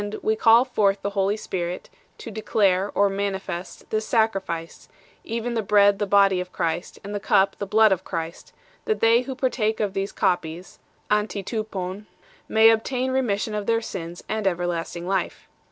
we call forth the Holy Spirit, to declare (or manifest) this sacrifice even the Bread the Body of Christ and the Cup the Blood of Christ, that they who partake of these copies (avTiTVTTwv) may obtain remission of their sins and everlasting life 4